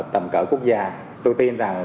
tầm cỡ quốc gia tôi tin rằng